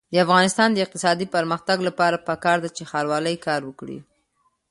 د افغانستان د اقتصادي پرمختګ لپاره پکار ده چې ښاروالي کار وکړي.